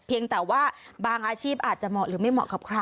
เพียงแต่ว่าบางอาชีพอาจจะเหมาะหรือไม่เหมาะกับใคร